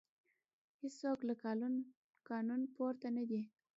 هیڅوک له قانون پورته نه دی